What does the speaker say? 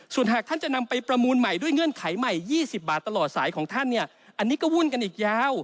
ส่วนหากท่านจะนำไปประมูลใหม่ด้วยเงื่อนไขใหม่๒๐บาทตลอดสายของท่านเนี่ยอันนี้ก็วุ่นกันอีกยาว